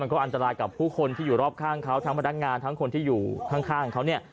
ก็อันตรายกับผู้คนที่อยู่รอบข้างเขาทั้งพนักงานทั้งคนที่อยู่ข้างเขาเนี่ย